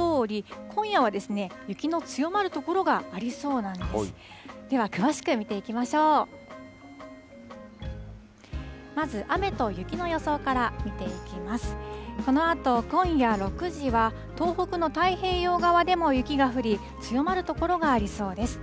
このあと今夜６時は、東北の太平洋側でも雪が降り、強まる所がありそうです。